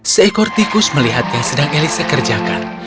seekor tikus melihat yang sedang elisa kerjakan